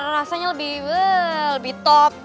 rasanya lebih top